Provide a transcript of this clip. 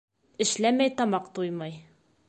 Эшләмәй тамаҡ туймай.